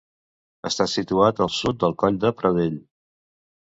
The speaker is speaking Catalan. Està situat al sud del Coll de Pradell.